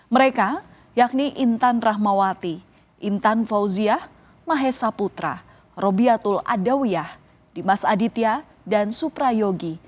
mereka yakni intan rahmawati intan fauziah mahesa putra robiatul adawiyah dimas aditya dan suprayogi